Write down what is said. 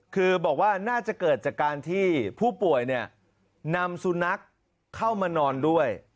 คือบอกว่าน่าจะเกิดจากการที่ผู้ป่วยนำสุนัขเข้ามานอนด้วย